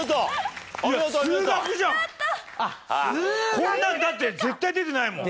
こんなんだって絶対出てないもん。